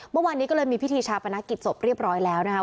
เมื่อวานนี้ก็เลยมีพิธีชาปนกิจศพเรียบร้อยแล้วนะคะ